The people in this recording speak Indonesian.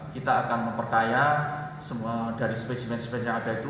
kita akan memperkaya semua dari spesimen spesimen yang ada itu